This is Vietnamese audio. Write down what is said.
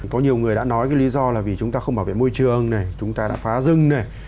có nhiều người đã nói cái lý do là vì chúng ta không bảo vệ môi trường này chúng ta đã phá rừng này